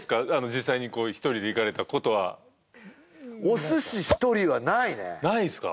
実際に一人で行かれたことはお寿司一人はないねないですか？